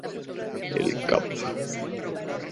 El Cap.